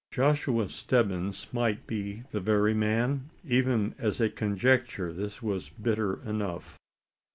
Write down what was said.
Joshua Stebbins might be the very man? Even as a conjecture, this was bitter enough.